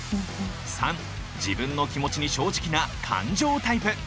３自分の気持ちに正直な感情タイプ。